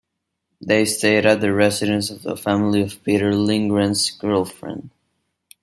They stayed at the residence of the family of Peter Lindgren's girlfriend.